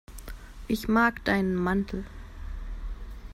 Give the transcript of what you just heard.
Ich mag deinen Mantel.